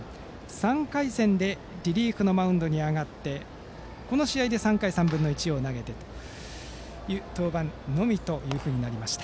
３回戦でリリーフのマウンドに上がってこの試合で３回３分の１を投げておりその登板のみとなりました。